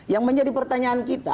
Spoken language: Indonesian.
yang menjadi pertanyaan kita